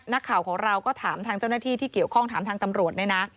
นักข่าวของเราก็ถามทางเจ้าหน้าที่ที่เกี่ยวข้องถามทางตำรวจเนี่ยนะ